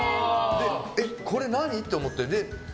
これ何？って思って。